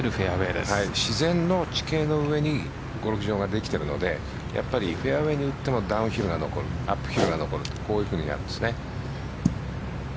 自然の地形の上にゴルフ場ができているのでフェアウェイに打ってもダウンヒルが残るアップヒルが残るというふうになるんです。